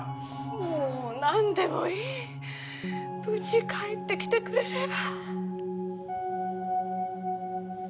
もう何でもいい無事帰って来てくれれば。